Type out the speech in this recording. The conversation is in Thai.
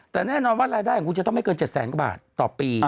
แต่แน่นอนว่ารายได้ของคุณจะต้องไม่เกิน๗แสนกว่าบาทต่อปี